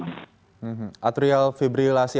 atrial fibrilasi atau kelainan ritme jantung